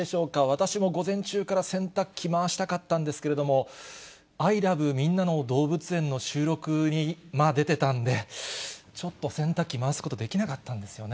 私も午前中から洗濯機回したかったんですけども、アイラブみんなの動物園の収録に出てたんで、ちょっと洗濯機、回すことできなかったんですよね。